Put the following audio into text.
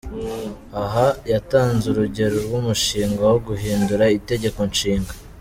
Aha, yatanze urugero rw’umushinga wo guhindura itegekonshinga.